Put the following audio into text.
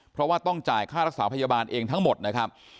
เพราะว่าต้องจ่ายค่ารักษาพยาบาลเองทั้งหมดนะครับ